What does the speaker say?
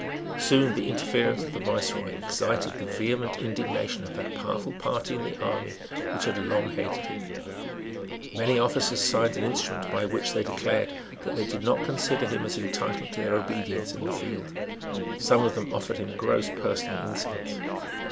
Soon the interference of the Viceroy excited the vehement indignation of that powerful party in the army which had long hated him. Many officers signed an instrument by which they declared that they did not consider him as entitled to their obedience in the field. Some of them offered him gross personal insults.